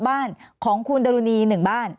บ้านของคุณดรุณี๑บ้าน